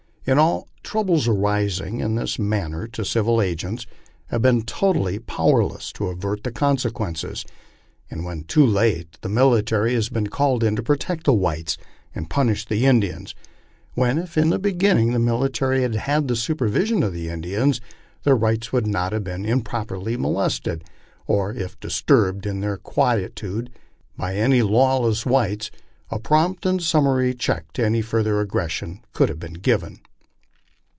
In all troubles arising in this manner, the civil agents have been totally powerless to avert the consequences, and when too late the mili tary have been called in to protect the whites and punish the Indians, when if, in the beginning, the military had had the supervision of the Indians, their rights would not have been improperly molested, or if disturbed in their quiet ude by any lawless whites, a prompt and summary check to any further ag gression could have been given.